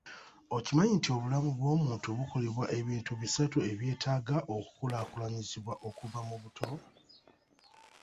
Okimanyi nti obulamu bw'omuntu bukolebwa ebintu bisatu ebyetaaga okukulakulanyizibwa okuva mu buto?